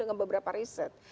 dengan beberapa riset